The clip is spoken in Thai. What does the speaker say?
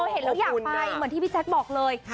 เห็นแล้วอยากไปเหมือนที่พี่แจ๊คบอกเลย